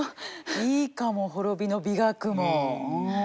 いいかも滅びの美学も。